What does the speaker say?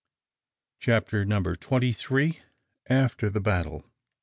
CHAPTER TWENTY THREE. AFTER THE BATTLE.